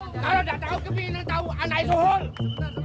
kalau udah tau kebih nanti tau anaknya soal